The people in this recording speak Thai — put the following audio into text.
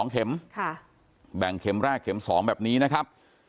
๒เข็มแบ่งเข็มแรกเข็ม๒แบบนี้นะครับ